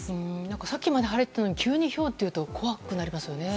さっきまで晴れていたのに急にひょうといわれると怖くなりますよね。